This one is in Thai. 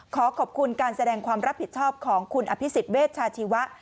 ขอขอบคุณการแสดงความรับผิดชอบของคุณอภิษฎเวชาชีวะ